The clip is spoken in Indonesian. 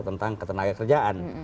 tentang ketenaga kerjaan